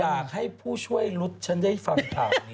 อยากให้ผู้ช่วยรุดฉันได้ฟังข่าวนี้